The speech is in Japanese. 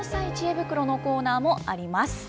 袋のコーナーもあります。